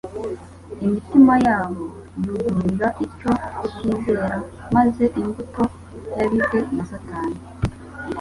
Imitima yabo yugururira ityo kutizera, maze imbuto yabibwe na Satani,